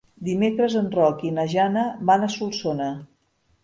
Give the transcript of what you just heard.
Dimecres en Roc i na Jana van a Solsona.